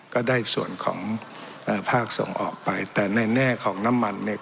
ก็ได้ส่วนของเอ่อภาคส่งออกไปแต่ในแน่ของน้ำมันเนี่ย